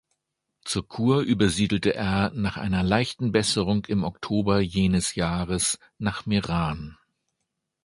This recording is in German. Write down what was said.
Zur Kur übersiedelte er nach einer leichten Besserung im Oktober jenes Jahres nach Meran.